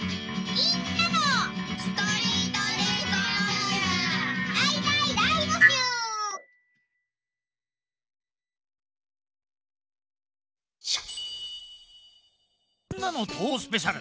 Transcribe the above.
みんなの投稿スペシャル！